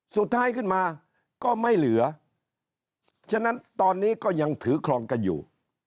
สุดท้ายขึ้นมาก็ไม่เหลือฉะนั้นตอนนี้ก็ยังถือครองกันอยู่